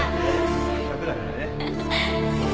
せっかくだからね